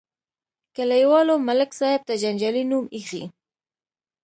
کلیوالو ملک صاحب ته جنجالي نوم ایښی.